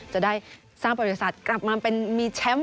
จะได้สร้างบริษัทกลับมาเป็นมีแชมป์